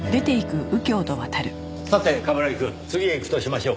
さて冠城くん次へ行くとしましょうか。